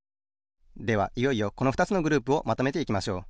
ではいよいよこのふたつのグループをまとめていきましょう。